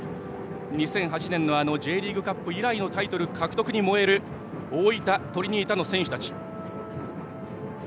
２００８年のＪリーグカップ以来のタイトル獲得に燃える大分トリニータの選手たち。